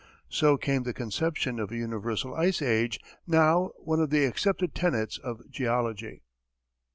So came the conception of a universal Ice Age, now one of the accepted tenets of geology.